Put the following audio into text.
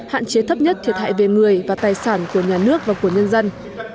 hạn chế thấp nhất thiệt hại về người và tài sản của nhà nước và của nhân dân